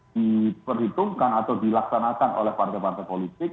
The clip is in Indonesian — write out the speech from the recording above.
diperhitungkan atau dilaksanakan oleh partai partai politik